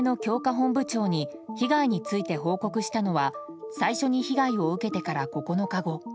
本部長に被害について報告したのは最初に被害を受けてから９日後。